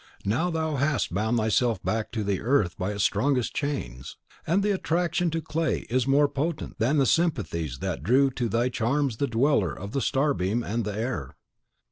Now thou hast bound thyself back to the earth by its strongest chains, and the attraction to the clay is more potent than the sympathies that drew to thy charms the Dweller of the Starbeam and the Air.